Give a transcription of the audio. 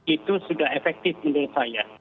itu sudah efektif menurut saya